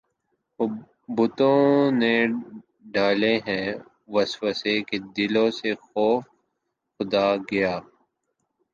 وہ بتوں نے ڈالے ہیں وسوسے کہ دلوں سے خوف خدا گیا